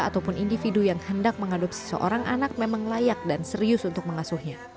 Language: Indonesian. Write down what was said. ataupun individu yang hendak mengadopsi seorang anak memang layak dan serius untuk mengasuhnya